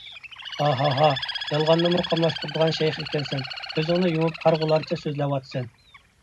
ھا! ھا! ھا! يالغاننىمۇ قاملاشتۇرىدىغان شەيخ ئىكەنسەن! كۆزۈڭنى يۇمۇپ قارىغۇلارچە سۆزلەۋاتىسەن.